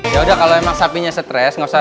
ya udah kalau emang sapinya stress